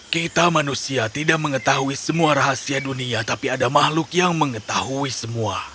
kita manusia tidak mengetahui semua rahasia dunia tapi ada makhluk yang mengetahui semua